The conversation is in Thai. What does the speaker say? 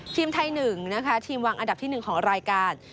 ทีมไทย๑นะคะทีมวางอันดับที่๑ของรายการ